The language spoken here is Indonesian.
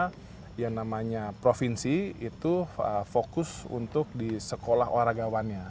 jadi daerah daerah dimana yang namanya provinsi itu fokus untuk di sekolah olahragawannya